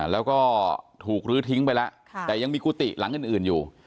แล้วก็ถูกลื้อทิ้งไปแล้วแต่ยังมีกุฏิหลังอื่นอยู่